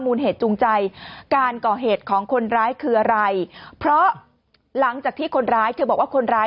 เหตุจูงใจการก่อเหตุของคนร้ายคืออะไรเพราะหลังจากที่คนร้ายเธอบอกว่าคนร้าย